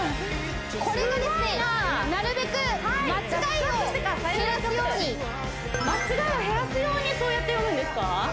これがですねなるべく間違いを減らすように間違いを減らすようにそうやって読むんですか？